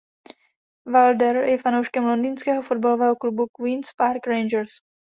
Wilder je fanouškem londýnského fotbalového klubu Queens Park Rangers.